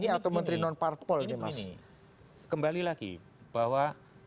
ini kembali lagi bahwa